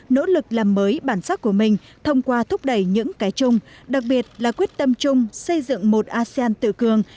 nỗ lực làm mới bản sắc của mình thông qua thúc đẩy những cái chung đặc biệt là quyết tâm chung xây dựng một asean tự cường